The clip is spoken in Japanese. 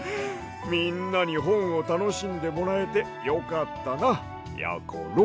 みんなにほんをたのしんでもらえてよかったなやころ。